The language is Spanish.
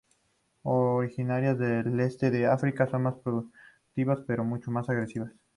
Originarias del este de África, son más productivas, pero mucho más agresivas.